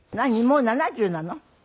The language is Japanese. もう７０なの？